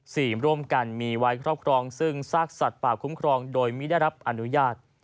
ร่วมกันมีไว้ครอบครองซึ่งซากสัตว์ป่าคุ้มครองโดยไม่ได้รับอนุญาต